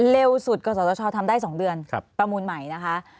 เร็วสุดกศชทำได้๒เดือนประมูลใหม่นะคะ